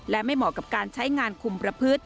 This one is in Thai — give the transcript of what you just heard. และไม่เหมาะกับการใช้งานคุมประพฤติ